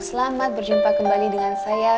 selamat berjumpa kembali dengan saya